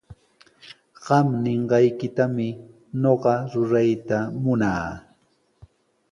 Qam ninqaykitami ñuqa rurayta munaa.